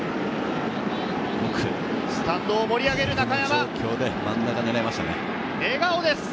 スタンドを盛り上げる中山。